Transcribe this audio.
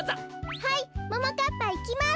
はいももかっぱいきます。